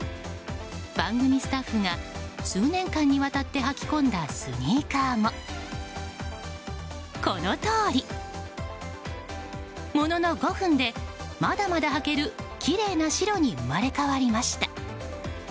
番組スタッフが数年間にわたって履き込んだスニーカーもこのとおり！ものの５分で、まだまだ履けるきれいな白に生まれ変わりました。